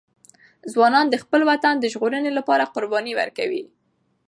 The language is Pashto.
ځوانان د خپل وطن د ژغورنې لپاره قرباني ورکوي.